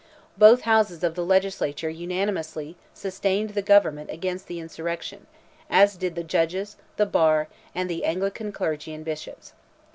Both Houses of the legislature unanimously sustained the government against the insurrection; as did the judges, the bar, and the Anglican clergy and bishops.